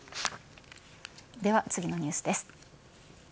では次のニュースです。